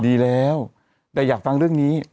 ดีแล้วแต่อยากฟังเรื่องนี้